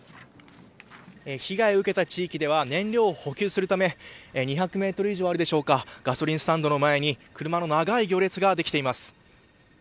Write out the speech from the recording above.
被害を受けた地域では燃料を補給するため２００メートル以上あるでしょうかガソリンスタンドの前に車の長い行列ができています。